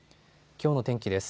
きょうの天気です。